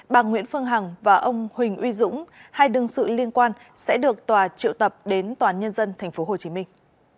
bà nguyễn phương hằng và ông huỳnh uy dũng hai đương sự liên quan sẽ được tòa triệu tập đến tòa nhân dân tp hồ chí minh